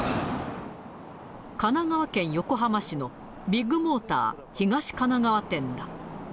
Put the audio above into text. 神奈川県横浜市のビッグモーター東神奈川店だ。